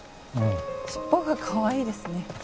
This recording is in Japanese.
尻尾がかわいいですね。